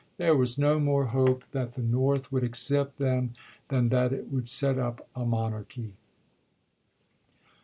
There was no more hope that the North would accept them than that it would set up a monarchy.